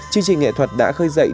chương trình nghệ thuật đã khơi dậy